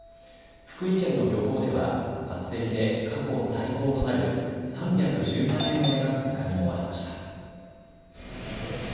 福井県の漁港では初競りで過去最高となる３１０万円の値がつくカニもありました。